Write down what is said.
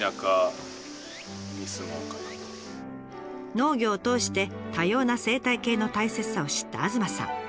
農業を通して多様な生態系の大切さを知った東さん。